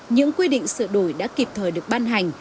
những quy định sửa đổi đã kịp thời được ban hành